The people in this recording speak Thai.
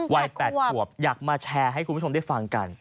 วัย๘ขวบอยากมาแชร์ให้คุณผู้ชมได้ฟังกัน